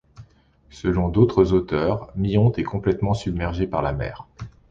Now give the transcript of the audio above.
Selon d'autres auteurs, Myonte est complètement submergée par la mer.